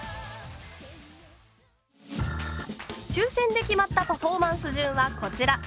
抽選で決まったパフォーマンス順はこちら。